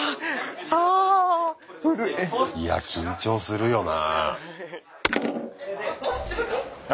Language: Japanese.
いや緊張するよな。